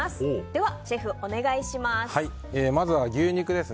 ではシェフお願いします。